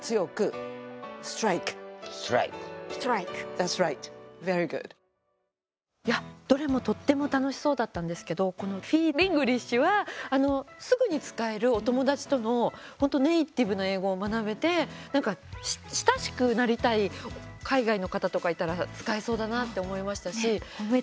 Ｔｈａｔ’ｓｒｉｇｈｔ．Ｖｅｒｙｇｏｏｄ．いや、どれもとっても楽しそうだったんですけど「フィーリングリッシュ」はすぐに使えるお友達との本当ネイティブの英語を学べて親しくなりたい海外の方とかいたら使えそうだなと思いましたし。